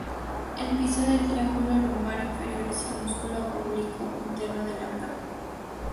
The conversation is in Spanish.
El piso del triángulo lumbar inferior es el músculo oblicuo interno del abdomen.